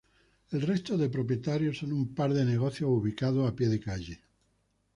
El resto de propietarios son un par de negocios ubicados a pie de calle.